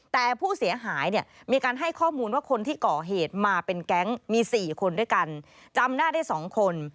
แต่ผู้เสียหายเนี่ยมีการให้ข้อมูลว่าคนที่ก่อเหตุมาเป็นแก๊งมี๔คนด้วยกันจำหน้าได้๒คน